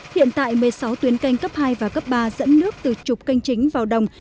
hiện tại một mươi sáu tuyến canh cấp hai và cấp ba dẫn nước từ trục canh chính vào đồng